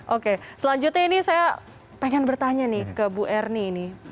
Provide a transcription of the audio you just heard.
oke selanjutnya ini saya pengen bertanya nih ke bu ernie ini